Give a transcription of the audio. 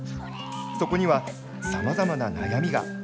そこには、さまざまな悩みが。